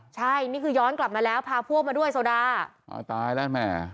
ใช่นี่คือย้อนกลับมาแล้วพาพวกมาด้วยโซดาอ๋อตายแล้วแม่